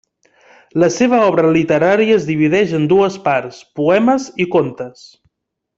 La seva obra literària es divideix en dues parts: poemes i contes.